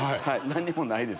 何にもないです。